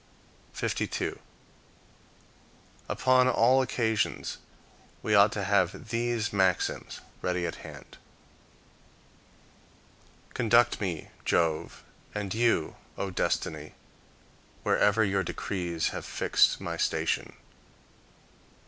52. Upon all occasions we ought to have these maxims ready at hand: "Conduct me, Jove, and you, 0 Destiny, Wherever your decrees have fixed my station."